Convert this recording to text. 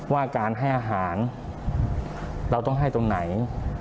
ว่าการให้อาหารเราต้องให้ตรงไหน